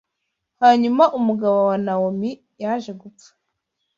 Hanyuma umugabo wa Nawomi yaje gupfa